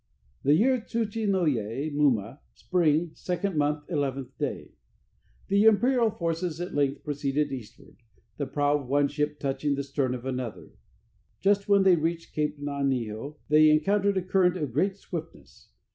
The year Tsuchinoye Muma, Spring, 2d month, 11th day. The imperial forces at length proceeded eastward, the prow of one ship touching the stern of another. Just when they reached Cape Naniho they encountered a current of great swiftness.